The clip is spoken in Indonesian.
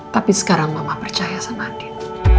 tapi sekarang mama percaya sama andin